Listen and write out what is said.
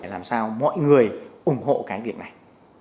làm sao mọi người ủng hộ cái việc này